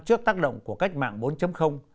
trước tác động của cách mạng bốn